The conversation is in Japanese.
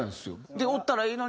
で「おったらいいのにな。